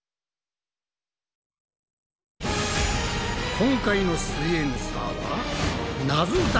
今回の「すイエんサー」は海だ！